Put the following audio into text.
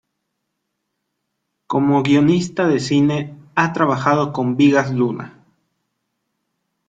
Como guionista de cine, ha trabajado con Bigas Luna.